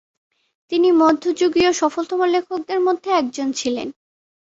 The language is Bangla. তিনি মধ্যযুগীয় সফলতম লেখকদের মধ্যে একজন ছিলেন।